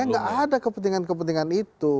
ya gak ada kepentingan kepentingan itu